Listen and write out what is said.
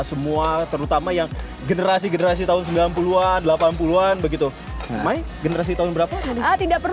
semua terutama yang generasi generasi tahun sembilan puluh an delapan puluh an begitu may generasi tahun berapa tidak perlu